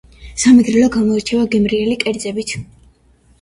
სამეგრელო გამოირჩევა გემრიელი კერძებით .